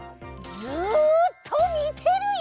ずっとみてるよ！